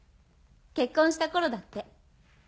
結婚した頃だって。